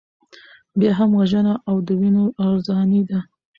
بیا هم وژنه او د وینو ارزاني ده.